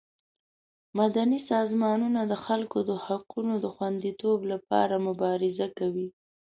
مدني سازمانونه د خلکو د حقونو د خوندیتوب لپاره مبارزه کوي.